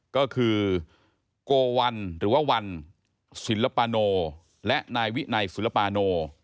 ก็คือโกวัลหรือว่าวัลสิลปโปนเลยะนายวินัยโสลปโปน